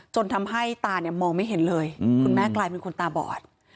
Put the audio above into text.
จนทำให้ตาเนี่ยมองไม่เห็นเลยคุณแม่กลายเป็นคนตาบอด